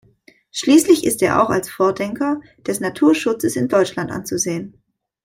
Schließlich ist er auch als Vordenker des Naturschutzes in Deutschland anzusehen.